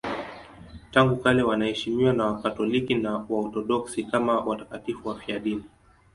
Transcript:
Tangu kale wanaheshimiwa na Wakatoliki na Waorthodoksi kama watakatifu wafiadini.